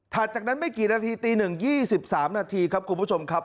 จากนั้นไม่กี่นาทีตี๑๒๓นาทีครับคุณผู้ชมครับ